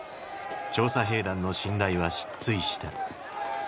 調査兵団の信頼は失墜した。